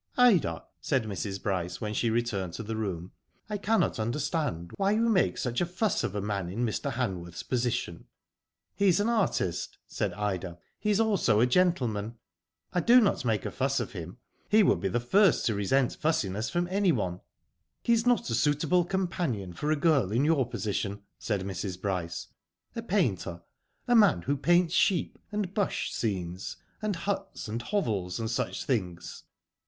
" Ida," said Mrs. Bryce, when she returned to the room, I cannot understand why you make such a fuss of a man in Mr. Hanworth's position." He is an artist," said Ida. '* He is also a gentleman. I do not make a fuss of him. He would be the first to resent fussiness from any one. '* He is not a suitable companion for a girl in your position,'^ said Mrs. Bryce. "A painter. A man who paints sheep, and bush scenes, and huts, and hovels, and such things."